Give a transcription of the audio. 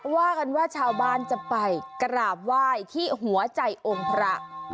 ว่ากันว่าชาวบ้านจะไปกราบไหว้ที่หัวใจองค์พระ